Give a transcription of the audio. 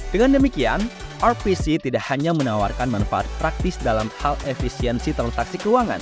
dengan demikian rpc tidak hanya menawarkan manfaat praktis dalam hal efisiensi transaksi keuangan